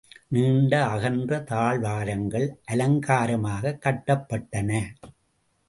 நீண்ட அகன்ற தாழ்வாரங்கள் அலங்காரமாகக் கட்டப்பட்டன.